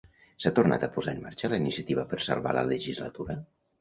S'ha tornat a posar en marxa la iniciativa per salvar la legislatura?